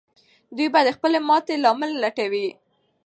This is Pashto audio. دوی به د خپلې ماتې لامل لټوي.